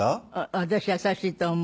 私優しいと思う。